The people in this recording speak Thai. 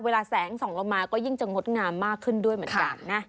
แสงส่องลงมาก็ยิ่งจะงดงามมากขึ้นด้วยเหมือนกันนะ